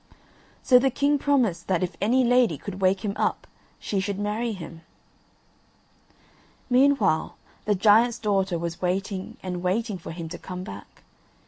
So the king promised that if any lady could wake him up she should marry him. Meanwhile the giant's daughter was waiting and waiting for him to come back.